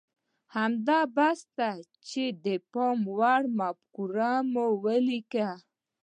همدا بس ده چې د پام وړ مفکوره مو وليکئ.